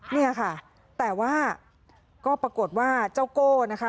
เนี่ยค่ะแต่ว่าก็ปรากฏว่าเจ้าโก้นะคะ